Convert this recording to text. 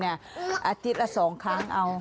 อาทิตย์ละ๒ครั้งเอา